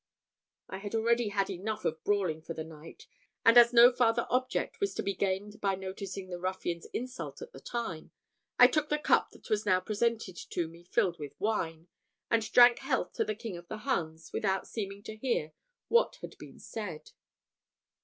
I had already had enough of brawling for the night; and as no farther object was to be gained by noticing the ruffian's insult at the time, I took the cup that was now presented to me filled with wine, and drank health to the King of the Huns, without seeming to hear what had been said.